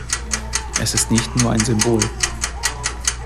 Es ist nicht nur ein Symbol.